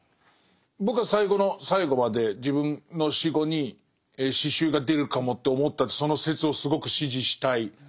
僕は最後の最後まで自分の死後に詩集が出るかもって思ったその説をすごく支持したい。